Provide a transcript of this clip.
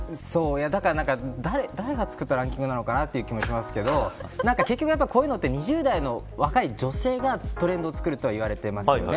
だから、誰が作ったランキングなのかなという気もしますが結局、こういうのは２０代の若い女性がトレンドを作ると言われていますよね。